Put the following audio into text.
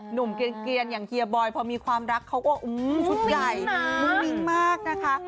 หนุ่มเกลียนอย่างเฮียบอยพอมีความรักเขาก็ชุดใหญ่มุ่งมิ้งมากนะคะ